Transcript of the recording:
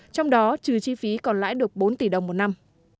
trong đó trừ chi phí còn lãi được bốn tỷ đồng một năm